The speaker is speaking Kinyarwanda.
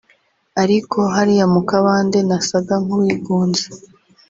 ariko hariya mu kabande nasaga nk’uwigunze”